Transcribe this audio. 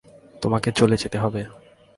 তোমাকে চলে যেতে হবে।